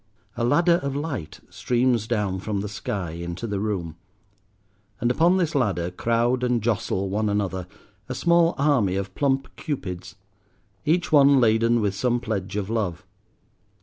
A ladder of light streams down from the sky into the room, and upon this ladder crowd and jostle one another a small army of plump Cupids, each one laden with some pledge of love.